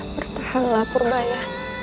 bertahanlah purba ya